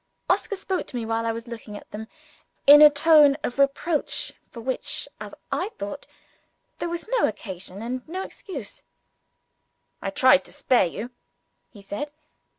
Oscar spoke to me, while I was looking at them, in a tone of reproach for which, as I thought, there was no occasion and no excuse. "I tried to spare you," he said.